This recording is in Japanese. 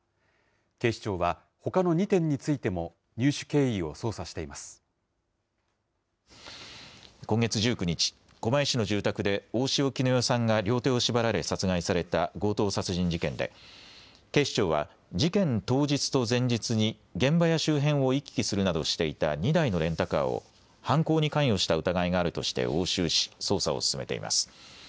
警視庁は、ほかの２点についても、今月１９日、狛江市の住宅で大塩衣與さんが両手を縛られ殺害された強盗殺人事件で、警視庁は、事件当日と前日に、現場や周辺を行き来するなどしていた２台のレンタカーを、犯行に関与した疑いがあるとして押収し、捜査を進めています。